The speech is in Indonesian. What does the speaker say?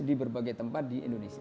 di berbagai tempat di indonesia